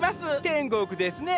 天国ですね！